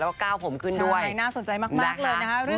แล้วก็ก้าวผมขึ้นด้วยน่าสนใจมากเลยนะคะ